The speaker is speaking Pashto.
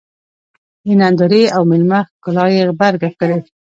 د نندارې او مېلمه ښکلا یې غبرګه کړې.